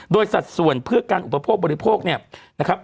โดยสัดส่วนเพื่อการอุปโภคบริโภคเนี่ยนะครับ